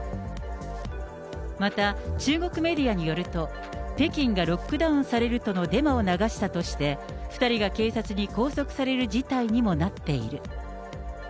また、中国メディアによると、北京がロックダウンされるとのデマを流したとして、２人が警察に拘束される事態にもなっている。